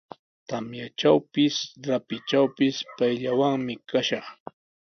Tamyatrawpis, rapitrawpis payllawanmi kashaq.